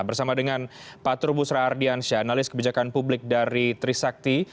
bersama dengan pak trubus rardiansyah analis kebijakan publik dari trisakti